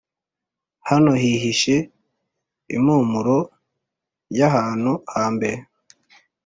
hano hihishe impumuro yahantu hambere,